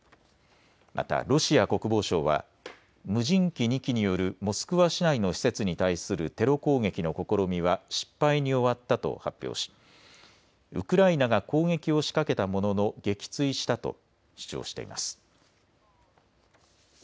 またロシア国防省は無人機２機によるモスクワ市内の施設に対するテロ攻撃の試みは失敗に終わったと発表しウクライナが攻撃を仕掛けたものの撃墜したと主張しています。